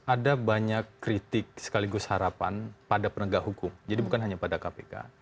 ada banyak kritik sekaligus harapan pada penegak hukum jadi bukan hanya pada kpk